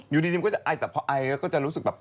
อยู่ดีมันก็จะไอแต่พอไอแล้วก็จะรู้สึกแบบ